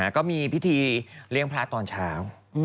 ก็มีพิธีเลี้ยงพระตอนเช้า